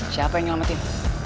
siapa yang nyelamatin